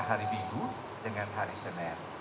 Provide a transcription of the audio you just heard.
hari minggu dengan hari senin